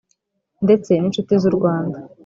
ndetse n inshuti z u Rwanda